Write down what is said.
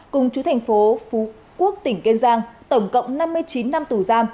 cùng chú thành phố phú quốc tỉnh kiên giang tổng cộng năm mươi chín năm tù giam